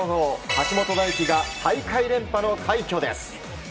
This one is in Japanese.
橋本大輝が大会連覇の快挙です。